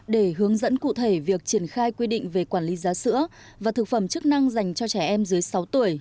để hướng dẫn cụ thể việc triển khai quy định về quản lý giá sữa và thực phẩm chức năng dành cho trẻ em dưới sáu tuổi